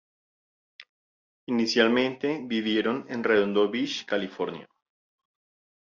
Inicialmente vivieron en en Redondo Beach, California.